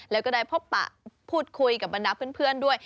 แล้วก็ได้พบปะพูดคุยกับบรรดาเพื่อนด้วย